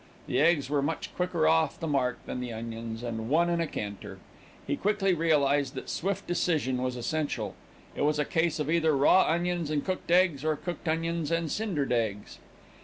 The eggs were much quicker off the mark than the onions, and won in a canter. He quickly realised that swift decision was essential. It was a case either of raw onions and cooked eggs, or cooked onions and cindered eggs.